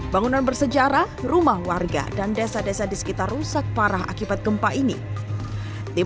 bangunan bersejarah rumah warga dan desa desa di sekitar rusak parah akibat gempa ini tim